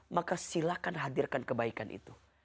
maka silakan hadirkan kebaikan itu